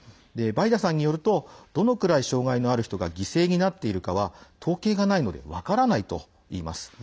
バイダさんによるとどのくらい障害のある人が犠牲になっているかは統計がないので分からないといいます。